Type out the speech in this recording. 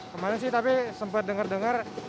kemarin sih tapi sempet denger denger